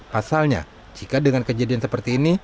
pasalnya jika dengan kejadian seperti ini